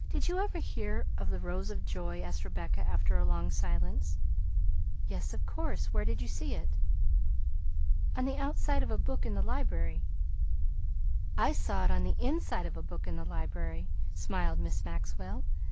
"Did you ever hear of The Rose of Joy?" asked Rebecca, after a long silence. "Yes, of course; where did you see it?" "On the outside of a book in the library." "I saw it on the inside of a book in the library," smiled Miss Maxwell.